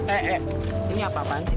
eh eh ini apaan sih